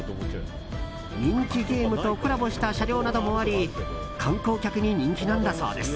人気ゲームとコラボした車両などもあり観光客に人気なんだそうです。